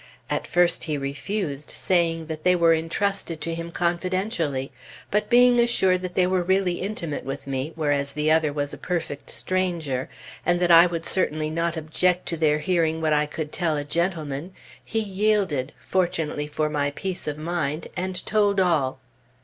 At first he refused, saying that they were entrusted to him confidentially; but being assured that they were really intimate with me, whereas the other was a perfect stranger, and that I would certainly not object to their hearing what I could tell a gentleman, he yielded, fortunately for my peace of mind, and told all.